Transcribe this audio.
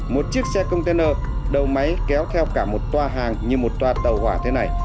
một chiếc xe container đầu máy kéo theo cả một tòa hàng như một toa tàu hỏa thế này